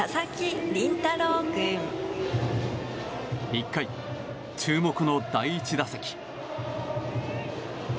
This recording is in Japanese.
１回、注目の第１打席。